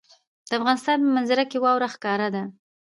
د افغانستان په منظره کې واوره ښکاره ده.